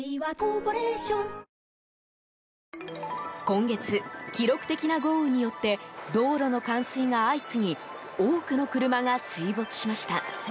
今月、記録的な豪雨によって道路の冠水が相次ぎ多くの車が水没しました。